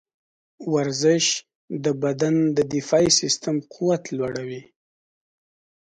ورزش د بدن د دفاعي سیستم قوت لوړوي.